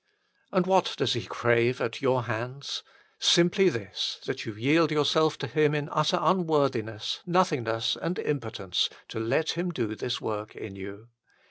And what does He crave at your hands ? Simply this, that you yield yourself to Him in utter unworthiness, nothingness, and impotence, to let Him do this work in you.